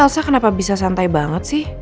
elsa kenapa bisa santai banget sih